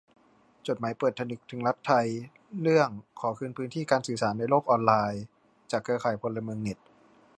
จดหมายเปิดผนึกถึงรัฐไทย เรื่องขอคืนพื้นที่การสื่อสารในโลกออนไลน์ จากเครือข่ายพลเมืองเน็ต